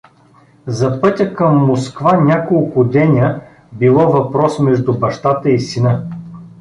За пътя към Москва няколко деня било въпрос между бащата и сина.